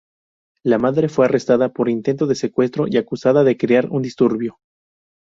La madre fue arrestada por intento de secuestro, y acusada de crear un disturbio.